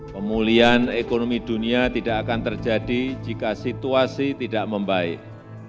pemulihan ekonomi dunia tidak akan terjadi jika situasi tidak membaik